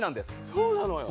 そうなのよ。